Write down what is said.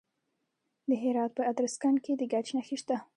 د هرات په ادرسکن کې د ګچ نښې شته.